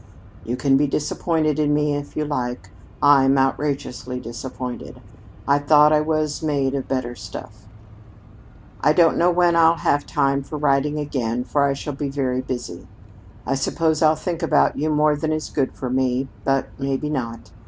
You can be disappointed in me if you like. I'm outrageously disappointed. I thought I was made of better stuff. "I don't know when I'll have time for writing again, for I shall be very busy. I suppose I'll think about you more than is good for me. But maybe not.